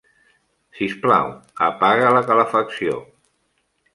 Sisplau, apaga la calefacció.